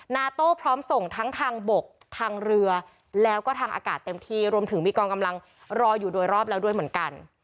นาโต้พร้อมส่งทั้งทางบกทางเรือแล้วก็ทางอากาศเต็มที่รวมถึงมีกองกำลังรออยู่โดยรอบแล้วด้วยเหมือนกัน